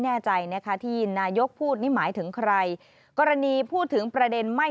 แน่ใจนะคะที่นายกพูดนี่หมายถึงใครกรณีพูดถึงประเด็นไม่